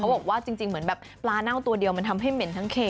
บอกว่าจริงเหมือนแบบปลาเน่าตัวเดียวมันทำให้เหม็นทั้งเค